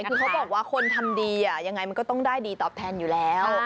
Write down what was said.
คือเขาบอกว่าคนทำดียังไงมันก็ต้องได้ดีตอบแทนอยู่แล้ว